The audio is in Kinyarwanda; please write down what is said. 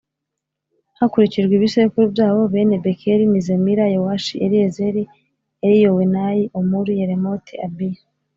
hakurikijwe ibisekuru byabo Bene Bekeri ni Zemira Yowashi Eliyezeri Eliyowenayi Omuri Yeremoti Abiya